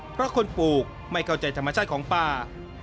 เพราะคนปลูกไม่เข้าใจธรรมชาติของป่า